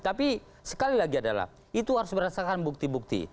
tapi sekali lagi adalah itu harus berdasarkan bukti bukti